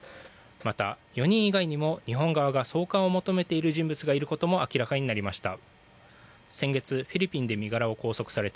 また、４人以外にも日本側が送還を求めている人物がいることも明らかになりました。